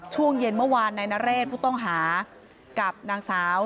ช่วงเย็นเมื่อวานนายนเรศผู้ต้องหากับนางสาว